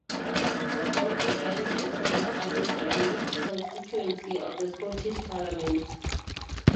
Broxburn is in the Almond Valley constituency of the Scottish Parliament.